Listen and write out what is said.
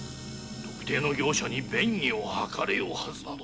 特定の業者に便宜を図れようはずなど。